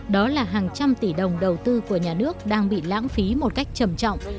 đó là hàng trăm tỷ đồng đầu tư của nhà nước đang bị lãng phí một cách trầm trọng